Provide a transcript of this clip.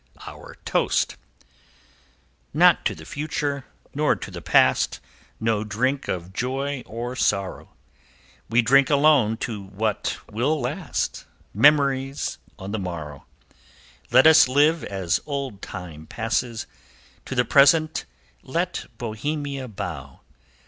Our Toast Not to the Future, nor to the Past; No drink of Joy or Sorrow; We drink alone to what will last; Memories on the Morrow. Let us live as Old Time passes; To the Present let Bohemia bow.